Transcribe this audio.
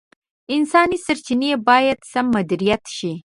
انساني سرچیني باید سم مدیریت شي.